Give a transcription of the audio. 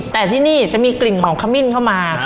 แต่ที่นี่จะมีกลิ่นของขมิ้นเข้ามา